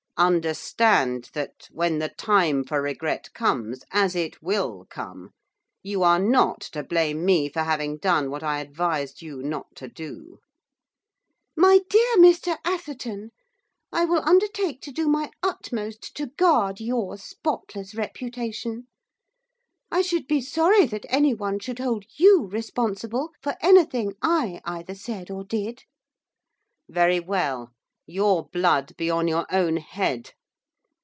'Understand that, when the time for regret comes as it will come! you are not to blame me for having done what I advised you not to do.' 'My dear Mr Atherton, I will undertake to do my utmost to guard your spotless reputation; I should be sorry that anyone should hold you responsible for anything I either said or did.' 'Very well! Your blood be on your own head!